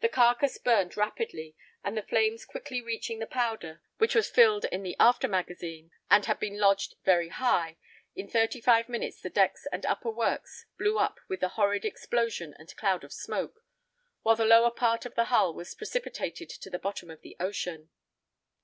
The carcase burned rapidly, and the flames quickly reaching the powder, which was filled in the after magazine, and had been lodged very high, in thirty five minutes the decks and upper works blew up with a horrid explosion and cloud of smoke, while the lower part of the hull was precipitated to the bottom of the ocean.